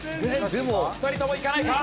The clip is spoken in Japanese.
２人ともいかないか？